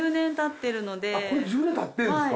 １０年たってるんですか？